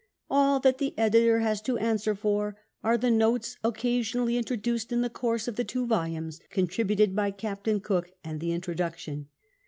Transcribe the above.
"All that the editor has to answer for are the notes occasionally introduced in the course of the two volumes contributed by Captain Cook, and the introduction."